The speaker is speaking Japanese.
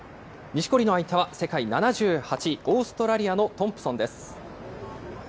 錦織の相手は世界７８位、オーストラリアのトンプソンです。